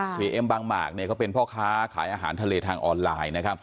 เซเอ็มบางหมากเป็นพ่อค้าขายอาหารทะเลทางออนไลน์